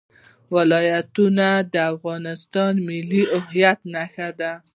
ولایتونه د افغانستان د ملي هویت نښه ده.